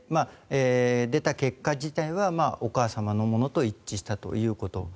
出た結果自体はお母様のものと一致したということ。